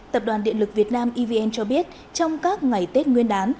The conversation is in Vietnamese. tập đoàn điện lực việt nam evn cho biết trong các ngày tết nguyên đán